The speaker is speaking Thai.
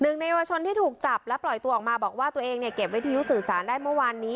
ในวชนที่ถูกจับและปล่อยตัวออกมาบอกว่าตัวเองเนี่ยเก็บวิทยุสื่อสารได้เมื่อวานนี้